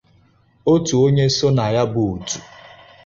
otu onye so na ya bụ òtù